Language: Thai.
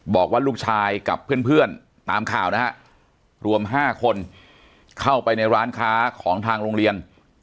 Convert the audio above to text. บอกว่าลูกชายกับเพื่อนตามข่าวนะฮะรวม๕คนเข้าไปในร้านค้าของทางโรงเรียน